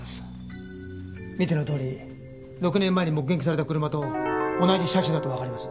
見てのとおり６年前に目撃された車と同じ車種だとわかります。